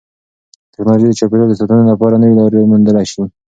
تکنالوژي د چاپیریال د ساتنې لپاره نوې لارې موندلې دي.